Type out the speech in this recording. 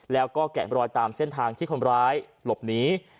แล้วก็แกะรอยตามเส้นทางที่คนร้ายหลบหนี